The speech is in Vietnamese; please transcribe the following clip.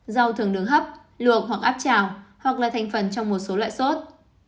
rau thường đường hấp luộc hoặc áp trào hoặc là thành phần trong một số loại sốt